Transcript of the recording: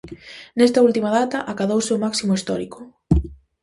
Nesta última data acadouse o máximo histórico.